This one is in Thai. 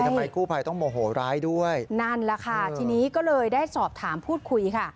ทำไมกู้ภัยต้องโมโหร้ายด้วยนั่นแหละค่ะทีนี้ก็เลยได้สอบถามพูดคุยค่ะ